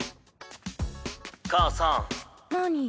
母さん何？